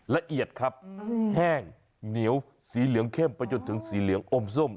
ละเอียดครับแห้งเหนียวสีเหลืองเข้มไปจนถึงสีเหลืองอมส้ม